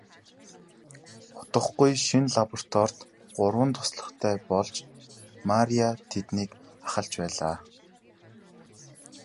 Удалгүй шинэ лабораторид гурван туслахтай болж Мария тэднийг ахалж байлаа.